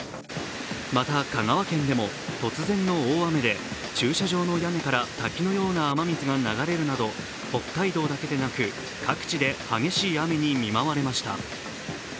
また香川県でも突然の大雨で駐車場の屋根から滝のような雨水が流れるなど北海道だけではなく各地で激しい雨に見舞われました。